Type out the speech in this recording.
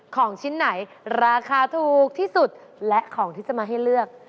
ของชิ้นไหนราคาถูกที่สุดและของที่จะมาให้เลือก